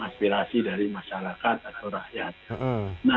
nah aspirasi rakyat inilah yang kemudian antara lain dikembangkan